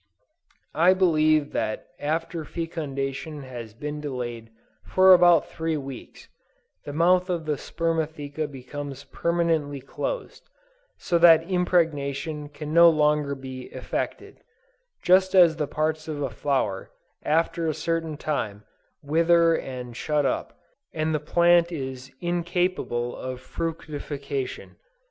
I believe that after fecundation has been delayed for about three weeks, the mouth of the spermatheca becomes permanently closed, so that impregnation can no longer be effected; just as the parts of a flower, after a certain time, wither and shut up, and the plant is incapable of fructification.